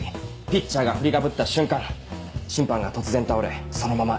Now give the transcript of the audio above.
ピッチャーが振りかぶった瞬間審判が突然倒れそのまま